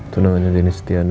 tuh namanya denis setianu